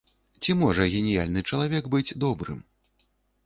Ці можа геніяльны чалавек быць добрым?